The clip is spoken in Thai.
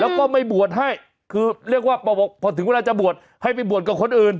แล้วก็ไม่บวชให้คือเรียกว่าพอถึงเวลาจะบวชให้ไปบวชกับคนอื่น